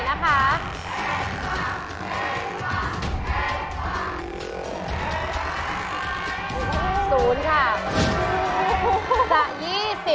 ราคาต้องแพงกว่าเส้นใหญ่นะคะ